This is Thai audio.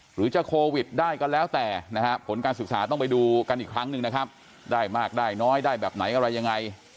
หรือจะโควิดได้ก็แล้วแต่นะฮะผลการศึกษาต้องไปดูกันอีกครั้งหนึ่งนะครับได้มากได้น้อยได้แบบไหนอะไรยังไง